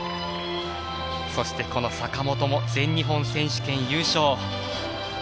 そして、この坂本も全日本選手権優勝。